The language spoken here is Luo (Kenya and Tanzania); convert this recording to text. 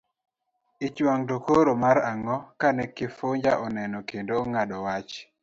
Ich wang' to koro mar ang'o kane Kifuja oneno kendo ong'ado wach?